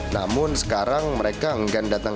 namun sekarang mereka enggak datang ke sini